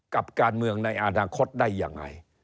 กับการเมืองในอนาคตได้ยังไง